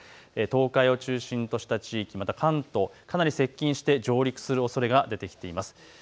東海を中心とした地域また関東、かなり接近して上陸するおそれが出てきています。